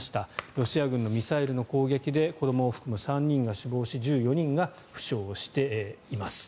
ロシア軍のミサイルの攻撃で子どもを含む３人が死亡し１４人が負傷をしています。